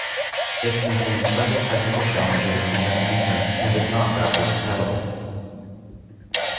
It contained several technical changes and enhancements and is not backward compatible.